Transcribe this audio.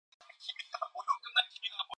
아무 염려 말고 어서 가세.